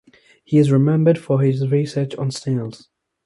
He is remembered for his research on snails.